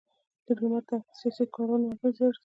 ډيپلومات د سیاسي کړنو اغېز ارزوي.